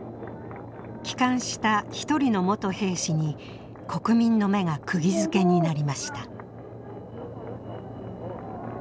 帰還した一人の元兵士に国民の目がくぎづけになりました。